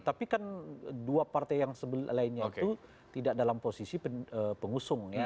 tapi kan dua partai yang lainnya itu tidak dalam posisi pengusung ya